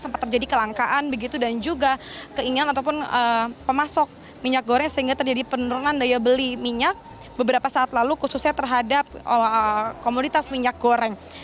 sempat terjadi kelangkaan begitu dan juga keinginan ataupun pemasok minyak goreng sehingga terjadi penurunan daya beli minyak beberapa saat lalu khususnya terhadap komoditas minyak goreng